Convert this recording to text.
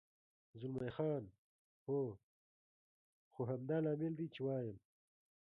زلمی خان: هو، خو همدا لامل دی، چې وایم.